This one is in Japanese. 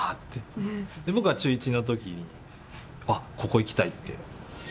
僕が中１の時に「あっここ行きたい」って。